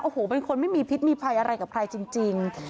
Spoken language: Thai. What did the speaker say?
โอ้โหเป็นคนไม่มีพิษมีภัยอะไรกับใครจริง